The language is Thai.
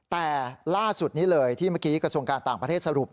แต่ล่าสุดนี้เลยที่เมื่อกี้กระทรวงการต่างประเทศสรุป